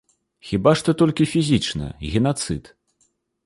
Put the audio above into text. Хіба што толькі фізічна, генацыд.